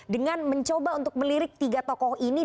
dengan mencoba untuk melirik tiga tokoh ini